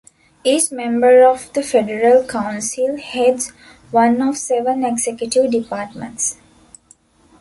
Each member of the Federal Council heads one of seven executive departments.